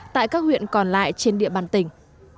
tại các huyện còn lại trên địa bàn tỉnh